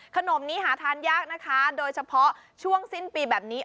ขนมนี้หาทานยากนะคะโดยเฉพาะช่วงสิ้นปีแบบนี้